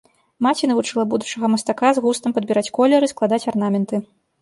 Маці навучыла будучага мастака з густам падбіраць колеры, складаць арнаменты.